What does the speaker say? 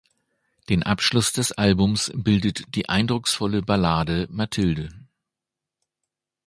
Den Abschluss des Albums bildet die eindrucksvolle Ballade „Matilde“.